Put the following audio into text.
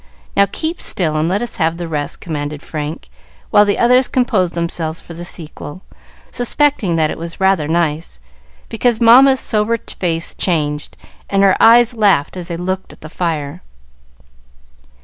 Now keep still, and let us have the rest," commanded Frank, while the others composed themselves for the sequel, suspecting that it was rather nice, because Mamma's sober face changed, and her eyes laughed as they looked at the fire.